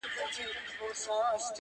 چي غزل مي د پرهر ژبه ویله،